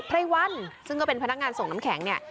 ไรวันซึ่งก็เป็นพนักงานส่งน้ำแข็งเนี่ย